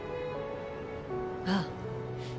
ああ。